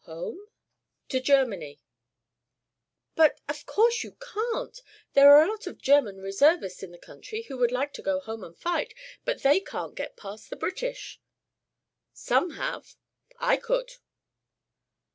"Home?" "To Germany." "But, of course you can't. There are a lot of German reservists in the country who would like to go home and fight, but they can't get past the British." "Some have. I could."